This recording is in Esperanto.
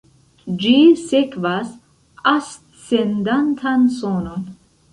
Ĝi sekvas ascendantan sonon.